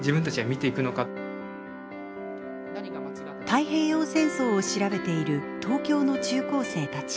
太平洋戦争を調べている東京の中高生たち。